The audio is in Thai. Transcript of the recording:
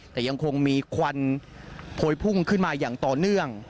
แต่ยังคงมีควันโพยพุ่งขึ้นมาอย่างต่อเนื่อง